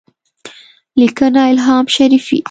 -لیکنه: الهام شریفي